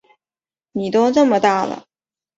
妳都这么大了